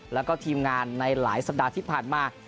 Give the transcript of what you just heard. แล้วก็ทีมงานในหลายสัปดาห์ที่ผ่านมา